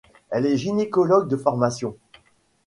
Elle est gynécologue de formation.